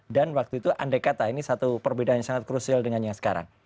dan waktu itu andai kata ini satu perbedaan yang sangat krusial dengan yang sekarang